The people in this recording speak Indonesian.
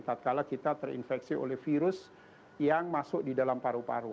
tak kalah kita terinfeksi oleh virus yang masuk di dalam paru paru